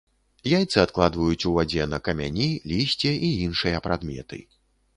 Яйцы адкладваюць у вадзе на камяні, лісце і іншыя прадметы.